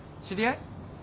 知り合い？